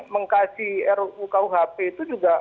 mengkasih rukuhp itu juga